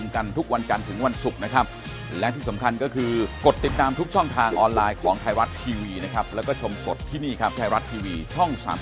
ใครจัดการอีกเราก็ปราบทุกจริต